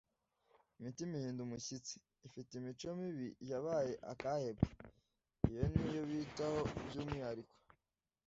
Imitima ihinda umushyitsi, ifite imico mibi yabaye akahebwe, iyo ni yo bitaho by'umwihariko.